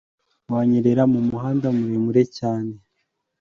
wanyerera mumuhanda muremure cyane